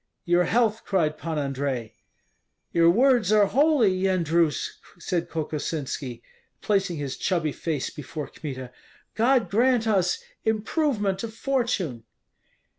"Your health!" cried Pan Andrei. "Your words are holy, Yendrus," said Kokosinski, placing his chubby face before Kmita. "God grant us improvement of fortune!"